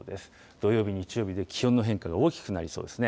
土曜日、日曜日で気温の変化が大きくなりそうですね。